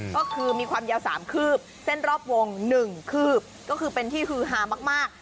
ก็คือมีความยาว๓คืบเส้นรอบวง๑คืบก็คือเป็นที่ฮือฮามาก